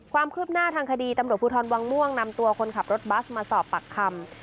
ความคืบหน้าทางคดีตำรวจภูทรวังม่วงนำตัวคนขับรถบัสมาสอบปากคำ